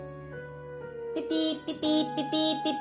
ピピピピピピピピ。